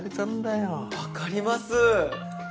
わかります！